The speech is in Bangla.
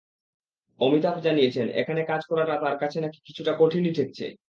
অমিতাভ জানিয়েছেন, এখানে কাজ করাটা তাঁর কাছে নাকি কিছুটা কঠিনই ঠেকছে।